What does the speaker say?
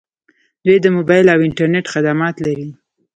دوی د موبایل او انټرنیټ خدمات لري.